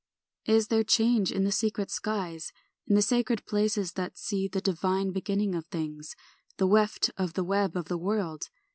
STR. 3 Is there change in the secret skies, In the sacred places that see The divine beginning of things, The weft of the web of the world?